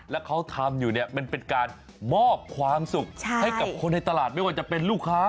แล้วเขาทำอยู่เนี่ยมันเป็นการมอบความสุขให้กับคนในตลาดไม่ว่าจะเป็นลูกค้า